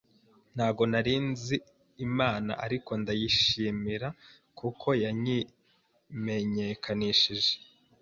ntago nari nzi Imana ariko ndayishima kuko yanyimenyekanishije